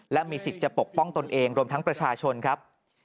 และมีสิทธิ์จะปกป้องตนเองรวมทั้งประชาชนครับ